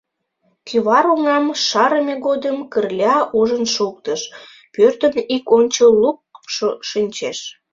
Кӱвар оҥам шарыме годым Кырля ужын шуктыш: пӧртын ик ончыл лукшо шинчеш.